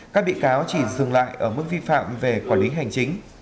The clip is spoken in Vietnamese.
các bị cáo chỉ dừng lại ở mức vi phạm về quản lý hành chính